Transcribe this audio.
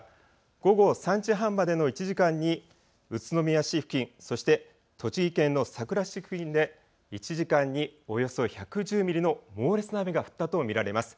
午後３時半までの１時間に宇都宮市付近、そして栃木県のさくら市付近で１時間におよそ１１０ミリの猛烈な雨が降ったと見られます。